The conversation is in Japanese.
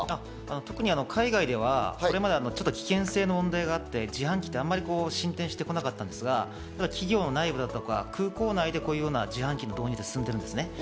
特に海外ではこれまで危険性の問題があって、自販機ってあんまり進展してこなかったんですが、企業内部だとか空港内でこういう自販機の購入って進んでるんです。